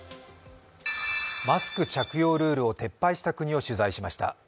マスク着用ルールを撤廃した国を取材しました。